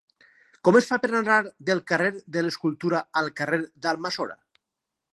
Com es fa per anar del carrer de l'Escultura al carrer d'Almassora?